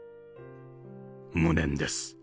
無念です。